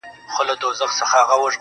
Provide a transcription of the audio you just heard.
سیاه پوسي ده د مړو ورا ده